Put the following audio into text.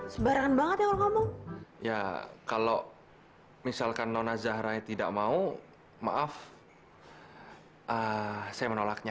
sebarang banget ya kalau kamu ya kalau misalkan nona zahra tidak mau maaf saya menolaknya